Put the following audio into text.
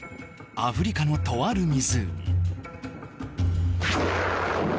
アフリカのとある湖